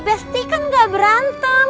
besti kan gak berantem